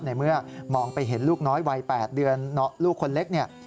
ในเมื่อมองไปเห็นลูกน้อยวัย๘เดือนลูกคนเล็กเนี่ย